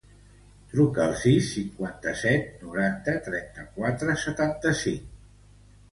Truca al sis, cinquanta-set, noranta, trenta-quatre, setanta-cinc.